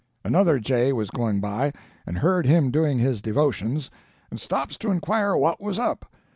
"Another jay was going by, and heard him doing his devotions, and stops to inquire what was up.